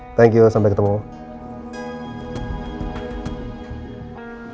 mudah mudahan meeting dengan jessica